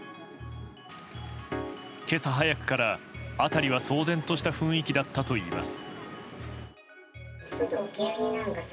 今朝早くから、辺りは騒然とした雰囲気だったといいます。